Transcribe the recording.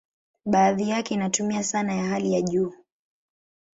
Baadhi yake inatumia sanaa ya hali ya juu.